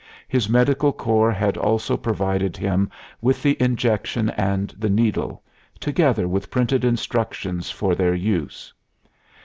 His medical corps had also provided him with the injection and the needle, together with printed instructions for their use.